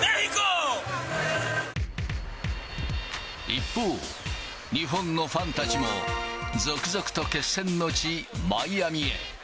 一方、日本のファンたちも続々と決戦の地、マイアミへ。